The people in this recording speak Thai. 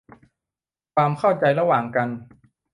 ความเข้าใจระหว่างกัน